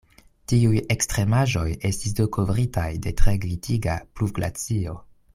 Tiuj ekstremaĵoj estis do kovritaj de tre glitiga pluvglacio.